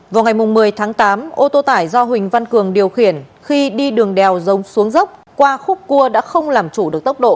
vào ngày một mươi tháng tám ô tô tải do huỳnh văn cường điều khiển khi đi đường đèo dông xuống dốc qua khúc cua đã không làm chủ được tốc độ